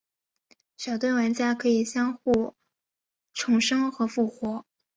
小队玩家可以互相重生和复活。